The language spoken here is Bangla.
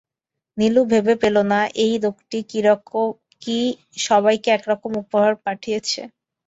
নীলু ভেবে পেল না, এই লোকটি কি সবাইকে এ রকম একটি উপহার পাঠিয়েছে?